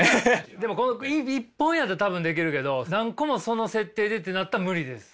でもこの１本やったら多分できるけど何個もその設定でってなったら無理です。